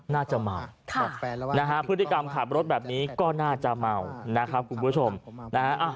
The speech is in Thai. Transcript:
น่าจะเมานะฮะพฤติกรรมขับรถแบบนี้ก็น่าจะเมานะครับคุณผู้ชมนะฮะ